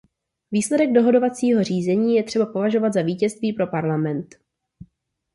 Výsledek dohodovacího řízení je třeba považovat za vítězství pro Parlament.